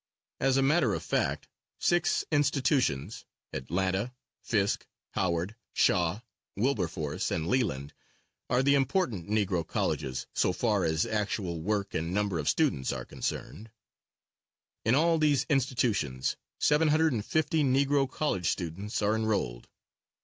As a matter of fact six institutions Atlanta, Fisk, Howard, Shaw, Wilberforce and Leland, are the important Negro colleges so far as actual work and number of students are concerned. In all these institutions, seven hundred and fifty Negro college students are enrolled.